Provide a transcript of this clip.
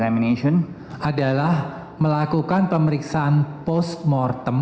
menjalankan pemeriksaan post mortem